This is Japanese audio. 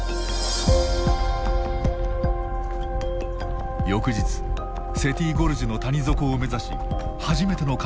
翌日セティ・ゴルジュの谷底を目指し初めての下降に挑戦する。